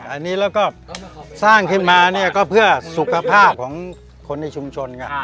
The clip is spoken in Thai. อันนี้เราก็สร้างขึ้นมาก็เพื่อสุขภาพของคนในชุมชน